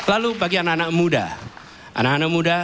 lalu bagi anak anak muda